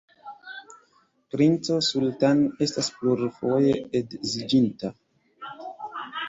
Princo Sultan estis plurfoje edziĝinta.